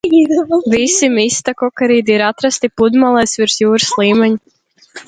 Visi mistakokarīdi ir atrasti pludmalēs virs jūras līmeņa.